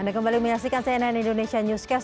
anda kembali menyaksikan cnn indonesia newscast